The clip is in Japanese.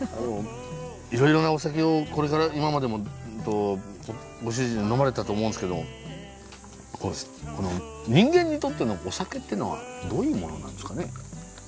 いろいろなお酒をこれから今までもご主人呑まれたと思うんですけどこの人間にとってのお酒ってのはどういうものなんですかね？